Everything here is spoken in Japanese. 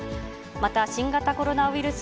また、新型コロナウイルス